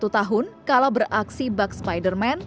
dua puluh satu tahun kalah beraksi bug spiderman